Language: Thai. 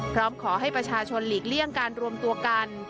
พร้อมขอให้ประชาชนหลีกเลี่ยงการรวมตัวกัน